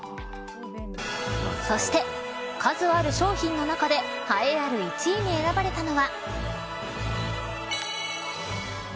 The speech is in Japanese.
そして、数ある商品の中で栄えある１位に選ばれたのは。